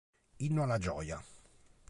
Inno alla gioia